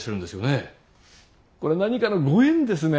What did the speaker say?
これ何かのご縁ですね。